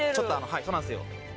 はいそうなんですよ。